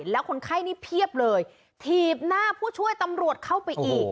แล้วคนไข้นี่เพียบเลยถีบหน้าผู้ช่วยตำรวจเข้าไปอีก